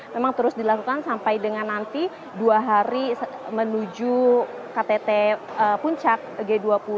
memang terus dilakukan sampai dengan nanti dua hari menuju ktt puncak g dua puluh